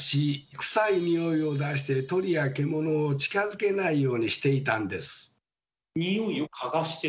クサいニオイを出して鳥や獣を近づけないようにしていたんです。